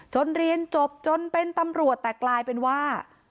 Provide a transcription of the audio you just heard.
เรียนจบจนเป็นตำรวจแต่กลายเป็นว่า